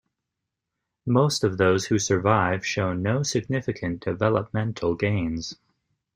Most of those who survive show no significant developmental gains.